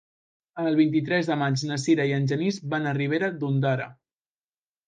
El vint-i-tres de maig na Sira i en Genís van a Ribera d'Ondara.